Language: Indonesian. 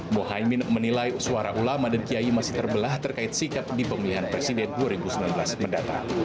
mohaimin menilai suara ulama dan kiai masih terbelah terkait sikap di pemilihan presiden dua ribu sembilan belas mendatang